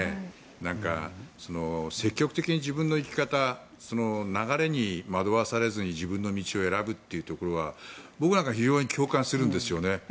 なんか積極的に自分の生き方流れに惑わされずに自分の道を選ぶというところは僕なんかは非常に共感するんですよね。